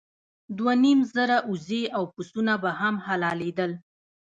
دوه نیم زره اوزې او پسونه به هم حلالېدل.